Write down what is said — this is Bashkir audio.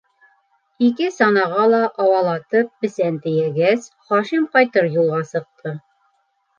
Ике санаға ла ауалатып бесән тейәгәс, Хашим ҡайтыр юлға сыҡты.